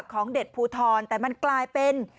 ของเด็ดภูทรแต่มันกลายเป็น